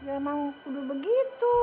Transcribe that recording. emang udah begitu